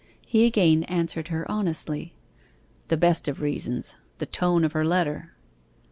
He again answered her honestly. 'The best of reasons the tone of her letter.